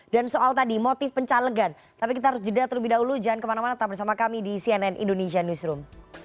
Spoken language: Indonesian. dan soal tadi motif pencalegan tapi kita harus jeda terlebih dahulu jangan kemana mana tetap bersama kami di cnn indonesia newsroom